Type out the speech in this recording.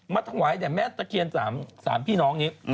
มาทั้งวัยแม่ตะเคียน๓พี่น้อง